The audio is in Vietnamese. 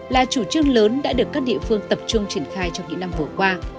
là chủ trương lớn đã được các địa phương tập trung triển khai trong những năm vừa qua